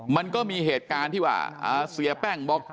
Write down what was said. มันก็มีเหตุการณ์ที่ว่าเสียแป้งบอก